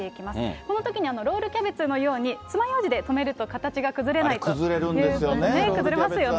このときにロールキャベツのようにつまようじで止めると形が崩れ崩れるんですよね、ロールキ崩れますよね。